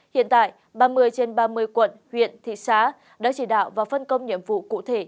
hiện tại ba mươi trên ba mươi quận huyện thị xã đã chỉ đạo và phân công nhiệm vụ cụ thể